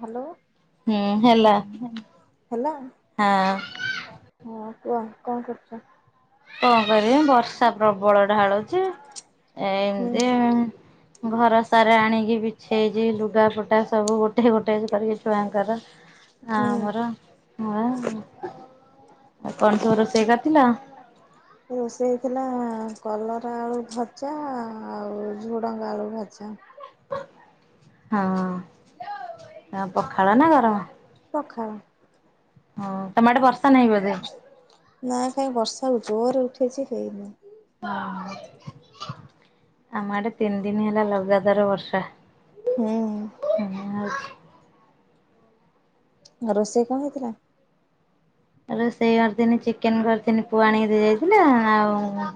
Hello ହୁଁ ହେଲା ହେଲା ହଁ। ହଁ କୁହ କଣ କରୁଛ? କଣ କରିବି ବର୍ଷା ପ୍ରବଳ ଢାଳୁଛି ହୁଁ ଏମିତି ଘର ସାରା ଆଣିକି ବିଛେଇଛି ଲୁଗା ଫଟା ସବୁ ଗୋ ଟେ ଗୋଟେ କରିକ ଛୁଆଙ୍କର ହୁଁ। ଆମର ହଁ। ଆଉ କଣ ସବୁ ରୋଷେଇ କରିଥିଲ? [inaudible] ରୋଷେଇ ହେଉଥିଲା କଲରା ଆଳୁ ଭଜା ଆଉ ଝୁଡଙ୍ଗ ଆଳୁ ଭଜା। ହଁ ଆ ପଖାଳ ନା ଗରମ। ପଖାଳ। ହଁ ତମେ ଆଡେ ବର୍ଷା ନାହିଁ ବୋଧେ। ନା କାଇଁ ବର୍ଷାକୁ ଜୋର ଉଠେଇଛି ହେଇନି। ହ ଆମ ଆଡେ ତିନ ଦିନ ହେଲା ଲଗାତାର ବର୍ଷା। ହୁଁ। ହଉଛି। ଘରେ ରୋଷେଇ କଣ ହେଇଥିଲା? ରୋଷେଇ ଅରିଥିନି ଚିକେନ କରିିଥିନି ପୁଅ ଆଣିକି ଦେଇ ଯାଇଥିଲା ଆଉ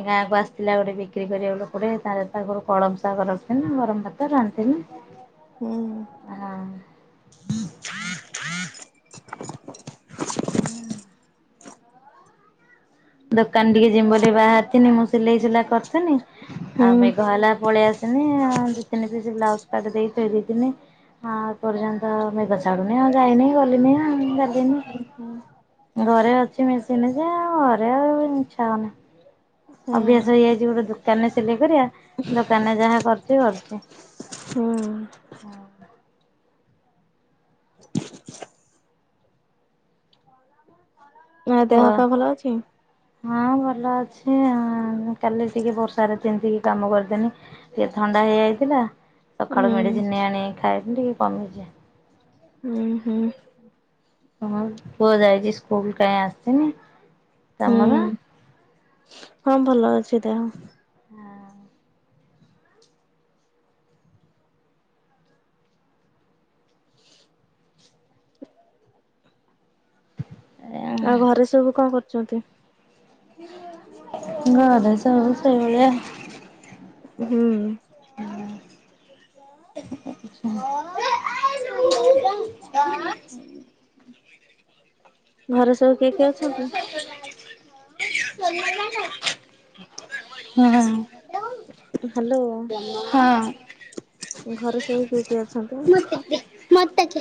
ଏ ଗାଁକୁ ଆସିଥିଲା ଗୋଟେ ବିକ୍ରି କରିବାକୁ ଲୋକଟେ। ତା ପାଖରୁ କଳମ ଶାଗ ରଖିଥିନି ଗରମ ଭାତ ରାନ୍ଧିଥିନି। ହୁଁ। ଆ ହାଁ। [unintelligible] ହୁଁ। ଦୋକାନ ଟିକେ ଯିମି ବୋଲି ବାହାରିଥିନି ମୁଁ ସିଲେଇ ସୁଲା କରୁଥିନି। ଆଉ ମେଘ ହୁଁ। ହେଲା ପଳେଇ ଆସିନି ଆ ଦି ତିନି ପିସ୍ ବ୍ଲାଉଜ କାଟି ଦେଇକି ଥୋଇ ଦେଇଥିନି। ହଁ ଏ ପର୍ଯ୍ୟନ୍ତ ମେଘ ଛାଡ଼ୁନି ଆଉ ଯାଇନି ଗଲିନି ଆଉ ଗଲିନି। ଘରେ ଅଛି ମେଶିନି ଯେ ଅ ଘରେ ଆଉ ଇଚ୍ଛା ହୋଉନି। ହୁଁ। ଅଭ୍ୟାସ ହେଇଯାଇଛି ଗୋଟେ ଦୁକାନରେ ସିଲେଇ କରିବା ଦୋକାନରେ ଯାହା କରୁଛି କରୁଛି। ହୁଁ। ଇଆ ଦେହ ୱା ପା ଭଲ ଅଛି? ହଁ ଭଲ ଅଛି ଅଁ କାଲି ଟିକେ ବର୍ଷାରେ ତିନ୍ତିକି କାମ କରିଦେନି ଟିକେ ଥଣ୍ଡା ହେଇଯାଇଥିଲା ହୁଁ ସଖାଳୁ ମେଡିସିନି ନେଇ ଆଣିକି ଖାଇଥିଲି ଟିକେ କମିଛି। ହୁଁ ହୁଁ। ହ ହଉ ପୁଅ ଯାଇଚି ସ୍କୁଲ କାଇଁ ଆସିନି ହୁଁ। ତମର? ହଁ ଭଲ ଅଛି ଦେହ। ହଁ। [inaudible] [unintelligible] ଆଉ ଘରେ ସବୁ କଣ କରୁଛନ୍ତି? ଘରେ ସବୁ ସେଇଭଳିଆ। ହୁଁ। ହଁ। [unintelligible] ଘରେ ସବୁ [unintelligible] [unintelligible] କିଏ କିଏ ଅଛନ୍ତି? ହ୍ୟାଲୋ। ହଁ। ଘରେ ସବୁ କିଏ କିଏ ଅଛନ୍ତି? ମୋତେକେ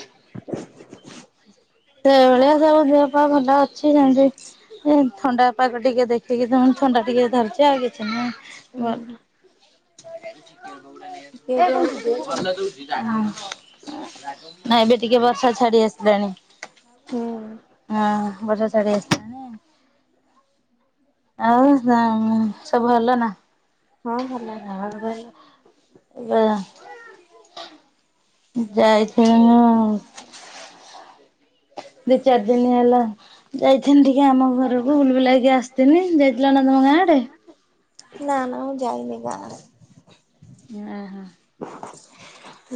ସେଇଭଳିଆ ସବୁ ଦେହ ପା ଭଲ ଅଛି ଯେମିତି ଥଣ୍ଡା ପାଗ ଟିକେ ଦେଇ ଟିକେ ତାଙ୍କୁ ଥଣ୍ଡା ଟିକେ ଧରିଛି ଆଉ କିଛି ନାହିଁ ଭଲ୍। ଉୁଁ କିଏ ଅଁ। କିଏ ଅଛନ୍ତି ଘରେ? ନା ଏବେ ଟିକେ ବର୍ଷା ଛାଡ଼ି ଆସିଲାଣି। ହୁଁ। ହଁ ବର୍ଷା ଛାଡ଼ି ଆସିଲାଣି। ଆଉ ତମ୍ ସବୁ ଭଲ ନା? ହଁ ଭଲ। [unintelligible] ଯାଇଥିଲି ନ ହଁ ଦି ଚାର୍ ଦିନି ହେଲା। ଯାଇଥିନି ଟିକେ ଆମ ଘରକୁ ବୁଲି ବୁଲାକି ଆସଥିନି ଯାଇଥିଲ ନା ତମ ଗାଁ ଆଡ଼େ? ନା ନା ମୁଁ ଯାଇନି ଗାଁ। ଇଆଁ ହଁ।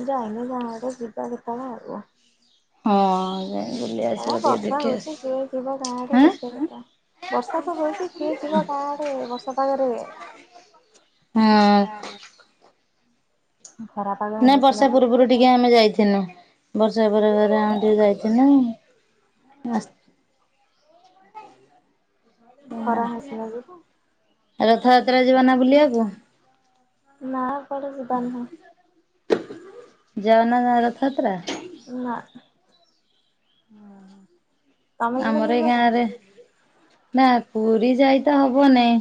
ଯାଇନୁ ଗାଁ କୁ ଯିବା ଦେଖା ହବା ଆଉ। ହଁ ଯେ ଏରା ବର୍ଷା ହୋଉଚି କିଏ ଯିବ ଗାଁ କୁ ଆଁ ଦେଖିଆ ପାଇଁକା। ବର୍ଷା ତ ହୋଉଚି କିଏ ଯିବ ଗାଁ ଆଡ଼େ ବର୍ଷା ପାଗରେ। ହଁ ସାମିଲ ଉଁ ଖରା ପା ନାଇଁ ବର୍ଷା ପୂର୍ବରୁ ଟିକେ ଆମେ ଯାଇଥିନୁ। ବର୍ଷା ଏପଟେ ଫେରେ ଆମ ଟିକେ ଯାଇଥିଲୁ ଆ ଖରା ହେଇସ ନା ଯିବୁ। ରଥଯାତ୍ରା ଯିବ ନା ବୁଲିଆକୁ। ନା କୁଆଡେ ଯିବାର ନାହିଁ। ଜଗନ୍ନାଥ ରଥଯାତ୍ରା। ନା। ତମେ [inaudible] ଯିବନି ଆମରି କୁଆଡେ ଗାଁ ରେ ନା ପୁରୀ ଯାଇ ତ ହବନାଇ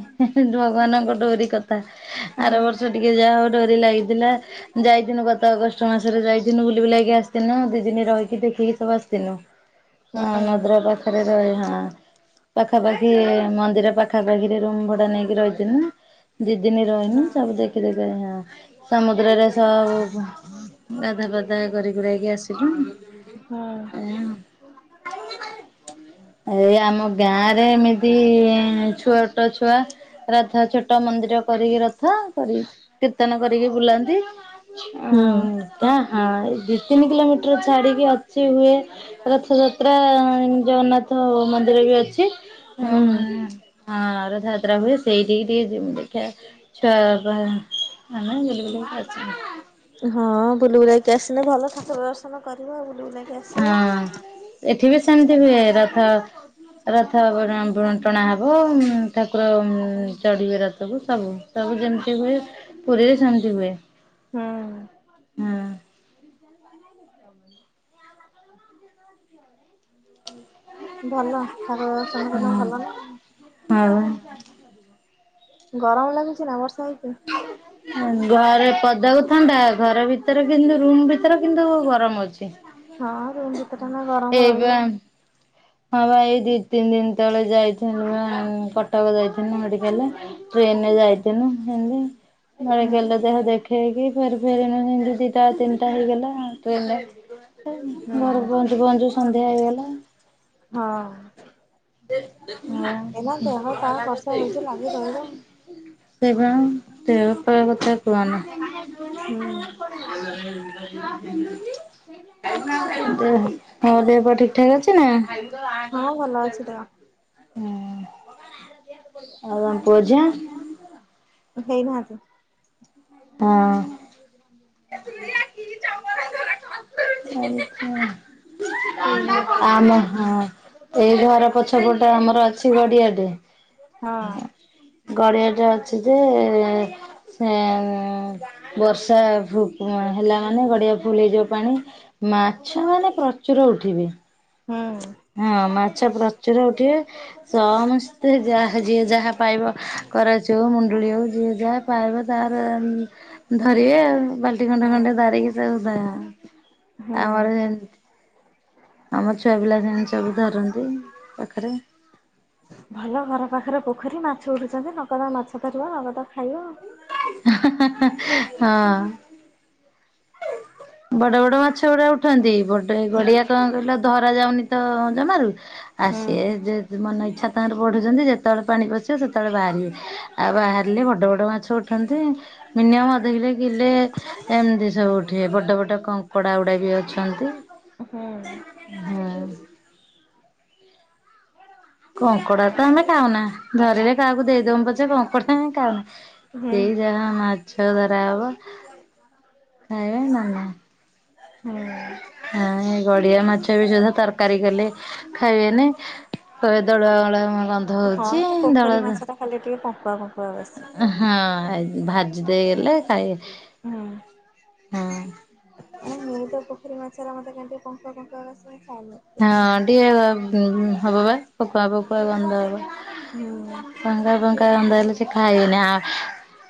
ଭଗବାନଙ୍କ ଡୋରି କଥା ହୁଁ ଆର ବର୍ଷ ହୁଁ ଟିକେ ଯାହା ହଉ ଡୋରି ଲାଗିଥିଲା। ଯାଇଥିନୁ ଗତ ଅଗଷ୍ଟ ମାସରେ ଯାଇଥିନୁ ବୁଲି ବୁଲାଇକି ଆସିଥିନୁ ଦି ଦିନ ରହିକି ଦେଖିକି ସବୁ ଆସ [unintelligible] ମନ୍ଦିର ପାଖାପାଖିରେ ରୁମ ଭଡା ନେଇକି ରହିଥିନୁ ଦି ଦିନ ରହିନୁ ତାପରେ ଯାଇ ସମୁଦ୍ରରେ ସବୁ ଗାଧା ବାଧା କରିକୁରାଇକି ଆସିଲୁ। ହଁ। [unintelligible] ଏଇ ଆମ ଗାଁରେ ଏମିତି ଛୁଆଟ ଛୁଆ। ରାଧା ଛୋଟ ମନ୍ଦିର କରିକି ରଥ କରି କୀର୍ତ୍ତନ କରିକି ବୁଲାନ୍ତି। ହୁଁ। ଏଟା ହଁ ଦି ତିନି କିଲୋମିଟର ଛାଡିକି ଅଛି ହୁଏ ରଥଯାତ୍ରା ଜଗନ୍ନାଥ ମନ୍ଦିର ବି ଅଛି ହୁଁ। [unintelligible] ହଁ ରଥଯାତ୍ରା ହୁଏ ସେଇଠି ଟିକେ ଜିମୁ ଦେଖିଆ ଛୁଆ ପା ମାନେ [unintelligible] ହଁ ବୁଲୁ ବୁଲାଇକି ଆସିଲେ ଭଲ ଠାକୁର ଦର୍ଶନ ତମେ କରିବ ଆଉ ବୁଲି ବୁଲା ହଁ ଏଠି ବି ସେମିତି ହୁଏ ରଥ। ରଥବ [unintelligible] ବ ଟଣା ହବ ଠାକୁର ଚଢିବେ ରଥକୁ ସବୁ। ସବୁ ଯେମିତି ହୁଏ ପୁରୀରେ ସେମତି ହୁଏ। ହୁଁ। ହଁ ଭଲ ଠାକୁର ଦର୍ଶନ କଲେ ଭଲ ନା ହଉ ହୁଁ। ଗରମ ଲାଗୁଛି ନା ବର୍ଷା [inaudible] ଘରେ ପଦାକୁ ଥଣ୍ଡା ଘର ଭିତରେ କିନ୍ତୁ ରୁମ୍ ଭିତରେ କିନ୍ତୁ ଗରମ ଅଛି। ହଁ ରୁମ୍ ଭିତରଟା ନା ଗରମ ଏଇବା ରହିବ। ହଁ ଭାଇ ଦି ତିନି ଦିନ ତଳେ ଯାଇଥିଲୁ ଯାଇଥିନୁ ମଡିକାଲ ଟ୍ରେନରେ ଯାଇଥିନୁ [inaudible] ହୁଁ ମେଡିକାଲ ଦେହ ଦେଖ ଠେଇକି ଫେରେ ଫେରିନୁ ଯେମିତି ଦିଟା ତିନଟା ହେଇଗଲା ଟ୍ରେନରେ। ଘରେ ପହଞ୍ଚୁ ପହଞ୍ଚୁ ସନ୍ଧ୍ୟା ହେଇଗଲା। ହଁ। ଏଇନା ଦେହ ପା ବର୍ଷା ହଉଛି ଲାଗି ରହିବ। [inaudible] ସେଇଭଳିଆ ଦେହ ପା କଥା କୁହନା [inaudible] ତ ହଁ ଦେହ ପା ଠିକ୍ ଠାକ୍ ଅଛି ନା? ହଁ ଭଲ ଅଛି ଦେହ ହୁଁ [inaudible] ଆଉ ତମ ପୁଅ ଝିଅ। ହେଇନାହାନ୍ତି। ହଁ। [inaudible] ହେଇନାହାନ୍ତି [inaudible] ପିଲା ଆମ ଛୁଆ। ହଁ। ଏଇ ଘର ପଛ ପଟେ ଆମର ଅଛି ଗଡିଆ ଟେ। ହଁ। ଗଡିଆ ଟେ ଅଛି ଯେ ସେଏଁ ବର୍ଷା ହେଲା ମାନେ ଗଡିଆ ଫୁଲ୍ ହେଇଯିବ ପାଣି ମାଛ ମାନେ ପ୍ର ଚୁର ଉଠିବେ। ହୁଁ। ହଁ ମାଛ ପ୍ରଚୁର ଉଠିବେ। ସମସ୍ତେ ଯାହା ଯିଏ ଯାହା ପାଇବ କରାଜିବ ହେଉ ମୁଣ୍ଡଳି ହୋଉ ଯିଏ ଯାହା ପାଇବ ତାହାର ଧରିବେ ଆଉ ବାଲ୍ଟି ଖଣ୍ଡେ ଖଣ୍ଡେ ଧାରିକି ତାକୁ ବା ହୁଁ। ଆମର ଯେନ୍ ଆମ ଛୁଆ ପିଲା ସେମିତି ସବୁ ଧରନ୍ତି ପାଖରେ। ଭଲ ଘର ପାଖରେ ପୋଖରୀ ମାଛ ଉଠୁଛନ୍ତି ନଗଦ ମାଛ ଧରିବ ନଗଦ ଖାଇବ। ଏ ହ-ହ-ହ-ହ ହଁ। ବଡ ବଡ ମାଛ ଗୁଡା ଉଠନ୍ତି ଗୋଟେ ଗଡିଆ କଁ କହିଲ ଧରା ଯାଉନି ତ ଜମାରୁ। ଆ ହୁଁ। ସିଏ ଯେ ମନ ଇଚ୍ଛା ତାହାର ବଢ଼ୁଛନ୍ତି ଯେତେବେଳେ ପାଣି ପଶିବ ସେତେବେଳେ ବାହାରିବେ ଆଉ ବାହାରିଲେ ବଡ଼ ବଡ଼ ମାଛ ଛନ୍ତି ମିନିଅମ୍ ଅଧକିଲେ କିଲେ ଏମ୍ତି ଠି ଏପଟେ ଗୋଟେ କଙ୍କଡ଼ା ଗୁଡ଼ା ବି ଅଛନ୍ତି। ହୁଁ। ହୁଁ। କଙ୍କଡା ତ ଆମେ ଖାଉନା। ଧରିଲେ କାହାକୁ ଦେଇଦୋମୁ ପଛେ କଙ୍କଡା ଆମେ ଖାଉ ହୁଁ ସେଇ ଯାହା ମା ଛ ଧରା ହବ ଖାଇବେ ନ ନାହିଁ। ହୁଁ। ହଁ ଏ ଗଡିଆ ମାଛ ବି ସୁଧା ତର୍କାରୀ କଲେ ଖାଇବେନି କଇଏ ଦଳୁଆ ମଳୁଆ ଗଁ ହଁ ସେ ପୋଖରୀ ମାଛ ଟା ଖାଲି ଟିକେ ଫଙ୍କୁଆ ଫଙ୍କୁଆ ବସେ। ହଁ ଭାଜି ଦେଇଗଲେ ଖାଇ ହୁଁ। ହୁଁ। ଉଁ ମୁଁ ତ ପୋଖରୀ ମାଛରା ମତେ କାଇଁ ଟିକେ ପଙ୍କୁଆ ପଙ୍କୁଆ ବାସେ ମୁଁ ଖାଏନେଇ। ହଁ ଟିକେ ହବ ବା ପକଆ ପକୁଆ ଗନ୍ଧ ହବ। ହୁଁ। ପଙ୍କୁଆ ପଙ୍କୁଆ ଗନ୍ଧ ହେଲେ ସେ ଖାାଇଏନି ଆ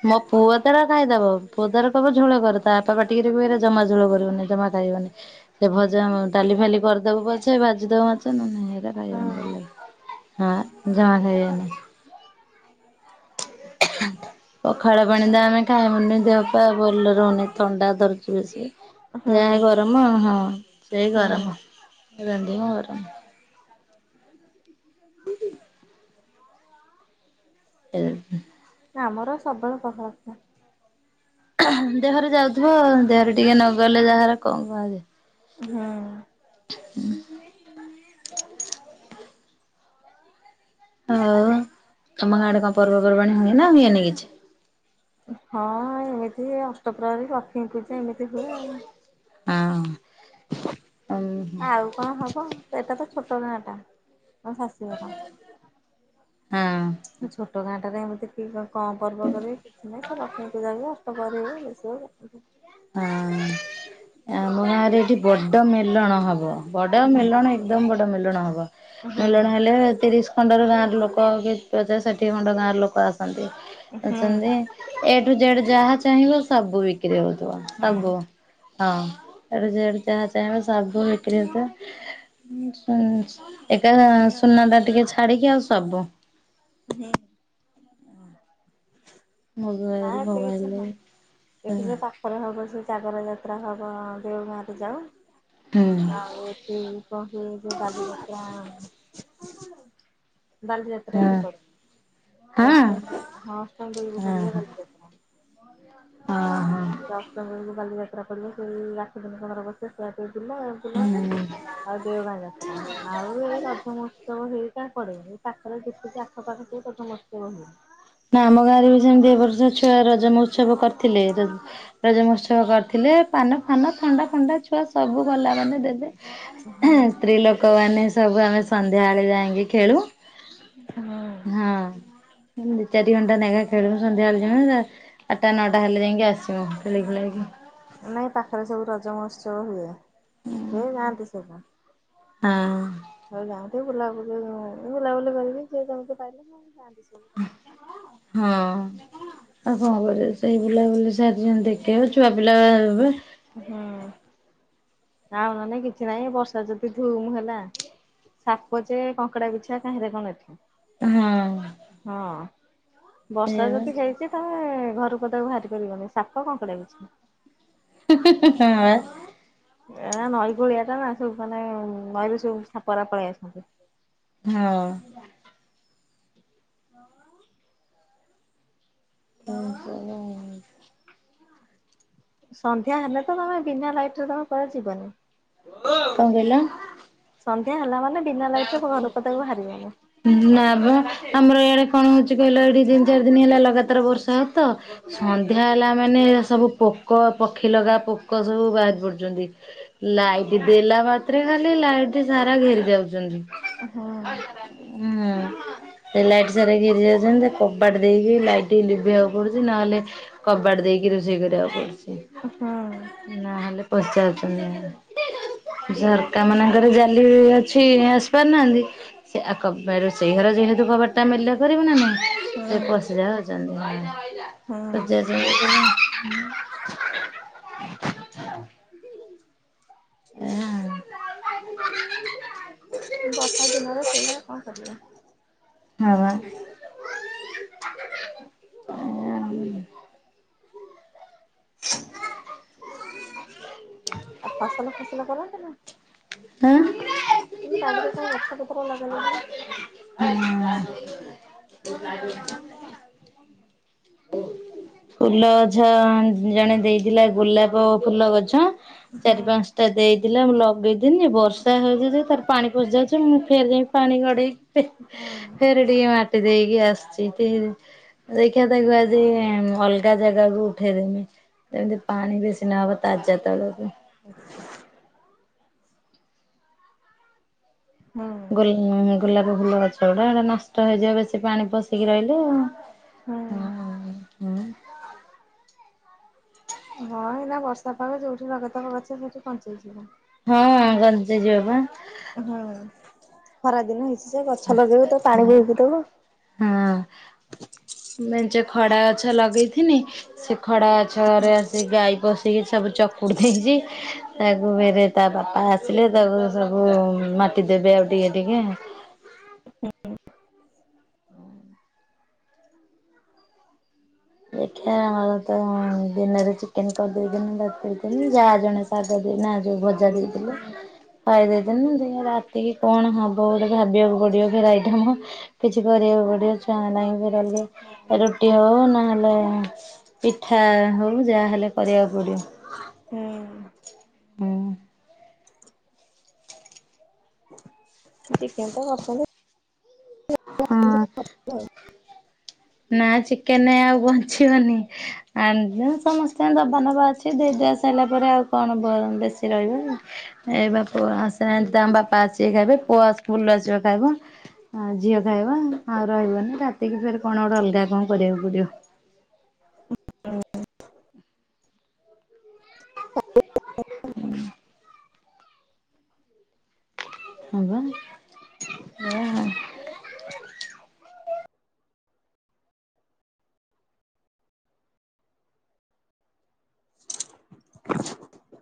ମୋ ପୁଅ ତାରା ଖାଇଦବ ପୁଅ ତାର କଇବ ଝୋଳ କର ତା ବାପା ପାଟିକରିଏ କଇଏ ଜମା ଝୋଳ କରିବନି ଜମା ଖାଇବନି ସେ ଭଜା ଡାଲି ଫାଲି ଦୋବୁ ପଛେ ଭାଜିଦୋବୁ ମାଛ ନ ନନେ ହେରା ହୁଁ ଖାଇବନି ହଁ ଜମା ଖାଇବେନି। ପଖାଳ ପାଣି ତ ଆମେ ଖାଇବୁନି ଦେହ ପା ଭଲ ରହୁନି। ଥଣ୍ଡା ଧରୁଚି ବେଶୀ ହୁଁ ଯାହା ଗରମ ହଁ ସେଇ ଗରମ। ହୁଁ। ଏଇ ରାନ୍ଧିଚୁ ଗରମ୍। ସେ ହେ। ଆମର ସବଳ କହଳତା। ଦେହରେ ଯାଉଥୁବ ଦେହରେ ଟିକେ ନଗଲେ ଯାହାରହାର କଁ କରନ୍ତି। ହୁଁ ହୁଁ। ହୋଉ ତମ ଗାଁ ଆଡ଼େ କଁ ପର୍ବପର୍ବାଣି ହୁଏ ନା ହୁଏନି କିଛି? ହଁ ଏମିତି ଅଷ୍ଟପ୍ରହରେୀ ଲକ୍ଷ୍ମୀ ପୂଜା ଏମିତି ହୁଏ ଆଉ। ହଁ। ହଁ ଆଉ କଣ ହବ ଏଟା ତ ଛୋଟ ଗାଁ ଟା। ହଁ ଶାଶୁଘର ହଁ। ଛୋଟ ଗାଁଟାରେ ଏମିତି କି କଁ ପର୍ବ କରିବି କିଛି ନାହିଁ, ସେ ଲକ୍ଷ୍ମୀ ପୂଜା, ଅଷ୍ଟପ୍ରହରୀ ହୁଏ ଏ ସବୁ ହଁ ଆମ ଗାଁରେ ଏଠି ବଡ ମେଲଣ ହବ ବଡ ମେଲଣ। ହୁଁ ଏକଦମ ବଡ ମେଲଣ ହବ ହୁଁ। ମେଲଣ ହେଲେ ତିରିସି ଖଣ୍ଡର ଗାଁର ଲୋକ କି ପଚାଶ ଷାଠିଏ ଖଣ୍ଡ ଗାଁର ଲୋକ ଆସନ୍ତି। ହୁଁ ଆଚନ୍ତି ଏ ଠୁ ଜେଡ ଯାହା ଚାହିଁବ ସବୁ ବିକ୍ରି ହଉଥିବ ହୁଁ ସବୁ। ବୁ ହଁ ଏ ରୁ ଜେଡ ଯାହା ଚାହିଁବ ସବୁ ବିକ୍ରିହଉଥିବ। ଏକା ସୁନାଟା ଟିକେ ଛାଡିକି ଆଉ ସବୁ। ହୁଁ। ନାଁ ମୋବାଇଲ ଏଠି କିଛି ଫୋବାଇଲ ନାଇଁ ହୁଁ ଏଠି ଯେ ପା କରେ ହେବ ସେ ଜାଗର ଯାତ୍ରା ହେବ ଦେଓ ଗାଁରେ ଯାଉ। ହୁଁ। ଆଉ ଏଠି କଣ ହୁଏ ଯେ ବାଲିଯାତ୍ରା। ହଁ ବାଲିଯାତ୍ରା ଏଇଠି ପଡେ ହଁ ହଁ ଏଇ ଅଷ୍ଟମି ହଁ ଅଷ୍ଟମି ବେଳକୁ ପଡିବ ହଁ ବାଲିଯାତ୍ରା। ହଁ ଅଷ୍ଟମି ବେଳକୁ ବାଲିଯାତ୍ରା ପଡ଼ିବ ସେଇ ରାଖି ଦିନ ପନ୍ଦର ଅଗସ୍ ଶେଷ ଯାତ୍ରା ଦିନ ବୁଲନ୍ତି ହଁ। ଆଉ ଦେଓଗାଁ ଯାତ୍ରା ଆଉ ଏଇ ରଜ ମହୋତ୍ସବ ହେଇ କାର୍ ପଡେନି ତାଙ୍କର ଯେତିକି ଆଖପାଖ ଥିବେ ତ ସମସ୍ତେ କହିବେ। ନା ଆମ ଗାଁରେ ବି ସେମିତି ଏବ ବର୍ଷ ଛୁଆ ରଜ ମହୋତ୍ସବ କରିଥିଲେ ଯଦ ରଜ ମହୋତ୍ସବ କରିଥିଲେ ପାନ ଫାନ ଥଣ୍ଡା ଫଣ୍ଡା ଛୁଆ ସବୁ ଗଲ ମାନେ ଦେବେ। ହୁଁ ସ୍ତ୍ରୀ ଲୋକମାନେ ସବୁ ଆମେ ସନ୍ଧ୍ୟାବେଳେ ଯାଇକି ଖେଳୁ। ହୁଁ। ହଁ। ଚାରି ଘଣ୍ଟା ନେଖା ଖେଲୁଚନ୍ତି ସନ୍ଧ୍ୟାବେଳ ଯାଏ, ଆଠଟା ନଅଟା ହେଲେ ଯାଇକି ଆସିବ ଖେଳିଖୁଳାକି। ନାଇଁ ପାଖରେ ସବୁ ରଜ ମହୋତ୍ସବ ହୁଏ, ହୁଏ ଯାଆନ୍ତି ସବୁ। ହଁ। ସବୁ ଯାଆନ୍ତି ବୁଲାବୁଲି, ବୁଲାବୁଲି କରିକି ଯିଏ ଯେମିତି ପାଇଲେ ହଁ ଯାଆନ୍ତି ସବୁ। ରଜ ମହୋତ୍ସବ। ହଁ। ଆଉ କଣ କରିବ ସେଇ ବୁଲାବୁଲି ସାର ଯେନ୍ତି ଦେଖେଇବେ ଛୁଆ ପିଲା ହେବେ। ହୁଁ ଆଉ ନହଲେ କିଛି ନାଇଁ ବର୍ଷା ଯଦି ଧୁମ ହେଲା ସାପ ଜେ କଙ୍କଡ଼ା ବିଛା କାହିଁରେ କଣ ଏଠି। ହୁଁ। ହଁ ବର୍ଷା ଯଦି ହେଇଚି ଯିଏ ତମେ ଘରୁ ପଦାକୁ ବାହାରିପାରିବନି ସାପ, କଙ୍କଡାବିଛା। [inaudible] ଏରା ନଈକୂଳିଆଟା ନା ସବୁ ମାନେ ନଈରୁ ସବୁ ସାପରା ପଳେଇଆସନ୍ତି। ହୁଁ। [inaudible] ସନ୍ଧ୍ୟା ହେଲେ ତ ତମେ ବିନା ଲାଇଟରେ ତମେ କୁଆଡେ ଯିବନି। କଣ କହିଲ? ସନ୍ଧ୍ୟା ହେଲା ମାନେ ବିନା ଲାଇଟରେ ଘରୁ ପଦାକୁ ବାହାରିବେନି। ନା ବା ଆମର ଇଆଡେ କଣ ହଉଛି କହିଲ, ଏଇଠି ଦିନି ଚାରି ଦିନ ହେଲା ଲଗାତାର ବର୍ଷା ହଉଛି ତ। ସନ୍ଧ୍ୟା ହେଲା ମାନେ ସବୁ ପୋକ ପକ୍ଷୀ ଲଗା ପୋକ ସବୁ ବାହାରି ପଡୁଚନ୍ତି। ଲାଇଟ୍ ଦେଲା ମାତ୍ରେ ଖାଲି ଲାଇଟ୍ ସାରା ଘେରି ଯାଉଚନ୍ତି। ଉଁ ହୁଁ। ହୁଁ। ସେ ଲାଇଟ୍ ସାରିକି ଘେରି ଯାଉଚନ୍ତି ଯେ କବାଟ ଦେଇକି ଲାଇଟ୍ ଲିଭେଇବାକୁ ପଡୁଛି ନହେଲେ କବାଟ ଦେଇକି ରୋଷେଇ କରିବାକୁ ପଡୁଚି। ହୁଁ। ନହେଲେ ପଚାରୁଚନି, ଝରକାମାନଙ୍କରେ ଜାଲି ଅ ଛି ଆସିପାରୁନାହାନ୍ତି। ସେ ଆ କବାରୋଷେଇ ଘର ଯେହେତୁ କବାଟ ଟା ମେଲା କରିବୁ ନା ନାଇଁ ହୁଁ ସେ ପଶିଯାଉ ହୁଁ ଚନ୍ତି [inaudible] ହଁ। ବର୍ଷା ଦିନରେ ସେଇଆ କଣ କରିବା? ହଁ ବା। ଏଇଆ ଆଉ [inaudible] ଆଉ ଫସଲ ଫସଲ କରନ୍ତି ନା। ତମେ ବାଡିରେ କଣ ଗଛପତ୍ର ଲଗାଲଗି ହୁଁ। [inaudible] ଫୁଲ ଗଛ ଜଣେ ଦେଇଥିଲା। ଗୋଲାପ ଫୁଲ ଗଛ ହୁଁ ଚାରି ପାଞ୍ଚ ତ ଦେଇଥିଲା ମୁଁ ଲଗେଇଦିନି। ବର୍ଷା ହେଉଛି ତାର ପାଣି ପଶି ଯାଉଛି। ମୁଁ ଫେରି ଯାଇକି ପାଣି ଗଡେଇକି ହୁଁ ଫେରେ ଟିକେ ମାଟି ଦେଇକି ଆସୁଛି। ଦେଖିବା ତାକୁ ଆଜି ଅଲଗା ଜାଗାକୁ ଉଠେଇ ଦେମି। ଯେମିତି ପାଣି ବେଶୀ ଦିନେ ହବ ତାଜା ତଳରେ। [inaudible] ହୁଁ ଗୋଲ ଗୋଲାପ ଫୁଲ ଗଛ ଗୁଡା ନଷ୍ଟ ହେଇଯିବ ବେଶୀ ପାଣି ପଶିକି ରହିଲେ। ହଁ। ହୁଁ। ହଁ ଏଇନା ବର୍ଷା ପାଗ ଯୋଉଠି ଲଗେଇଦବ ଗଛ ସେଇଠି ପଞ୍ଚେଇଯିବ। ହଁ ଗଞ୍ଚି ଯିବା ବା। ହଁ ଖରା ଦିନ ହେଇଛି ଯେ ଗଛ ଲଗେଇବ ତାକୁ ପାଣି ବୁହାଇକି ଦବ। ହଁ ମେଞ୍ଚେ ଖଡା ଗଛ ଲଗେଇଥିନି। ସେ ଖଡା ଗଛରେ ଆସି ଗାଈ ପସିକି ସବୁ ଚକୁଡି ଦେଇଛି। ତାକୁ ଫେରେ ତା ବାପା ଆସିଲେ ତାକୁ ସବୁ ମାଟି ଦେବେ ଆଉ ଟିକେ ଟିକେ। ଦେଖିଆ ଆଉ ତ ଦିନରେ ଚିକେନ କରିଦେଇଥିନି। [unintelligible] ଯାହା ଜଣେ ଶାଗ ଦେଇନା ଯୋଉ ଭଜା ଦେଇଥିଲେ। ହୁଁ ପାଇ ଦେଇେଥିଲିନି। ରାତିକି କଣ ହବ ବୋଲି ଭାବିବାକୁ ପଡିବ। ପୁଣି ଗୋଟେ ଆଇଟମ। କିଛି କରିବାକୁ ପଡିବ ଛୁଆଁ ନାହିଁ ବି ହୁଁ ରହିଲ ରୁଟି ହବ ନା ଭଲ ପିଠା ହଉ ଯାହା ହେଲେ କରିବାକୁ ପଡିବ। ହୁଁ। ହୁଁ। ଟିକେ ତ କରଛନ୍ତି। ହଁ। [unintelligible] ନା ଚିକେନ ଆଉ ବଞ୍ଚିବନି। ଆ ସମସ୍ତେ ଦବା ନବା ଅଛି। ଦେଇ ଦୁଆ ସରିଲା ପରେ ଆଉ କଣ ବେଶୀ ରହିବ। ଏ ବାପୁ ଆସ ତମ ବାପା ଆସେ ଖାଇବେ। ପୁଅସ ଫୁଲ ଆସିବ ଖାଇବ। ଝିଅ ଖାଇବ। ଆଉ ରହିବନି ରାତିକି ଫେରେ କଣ ଗୋଟେ ଅଲଗା କଣ କରିବାକୁ ପଡିବ। ହୁଁ। ହଁ ବା ଏଇଆ ଆଉ। [inaudible]